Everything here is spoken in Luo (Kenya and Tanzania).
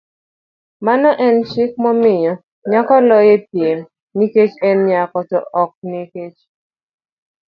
mano en chik mamiyo nyako loyo e piem nikech en nyako, to ok nikech